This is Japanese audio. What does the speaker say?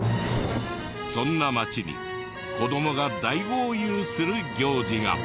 そんな町に子どもが大豪遊する行事が。